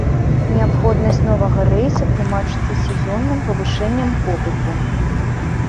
Неабходнасць новага рэйса тлумачыцца сезонным павышэннем попыту.